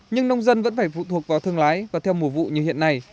nhưng nông dân vẫn phải phụ thuộc vào thương lái và theo mùa vụ như hiện nay